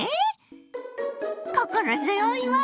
心強いわ！